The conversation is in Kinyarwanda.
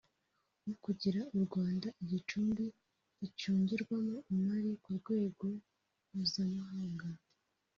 wo kugira u Rwanda igicumbi gicungirwamo imari ku rwego mpuzamahanga